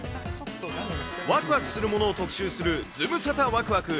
わくわくするものを特集する、ズムサタわくわく。